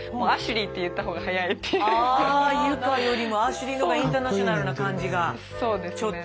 佑果よりもアシュリーの方がインターナショナルな感じがちょっと。